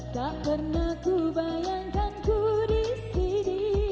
tak pernah ku bayangkan ku di sini